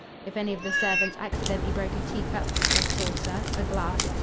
If any of the servants accidentally broke a teacup, or saucer, a glass, &c.